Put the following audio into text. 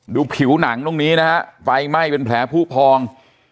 ผิวหนังตรงนี้นะฮะไฟไหม้เป็นแผลผู้พอง